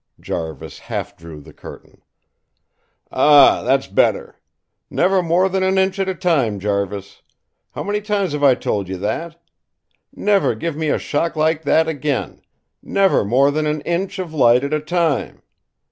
Jarvis half drew the curtain. "Ah, that's better. Never more than an inch at a time, Jarvis. How many times have I told you that? Never give me a shock like that again; never more than an inch of light at a time.